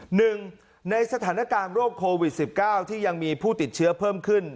หนึ่งในสถานการณ์โรคโควิด๑๙ที่ยังมีผู้ติดเชื้อเพิ่มขึ้น